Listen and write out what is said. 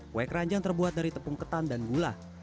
kue keranjang terbuat dari tepung ketan dan gula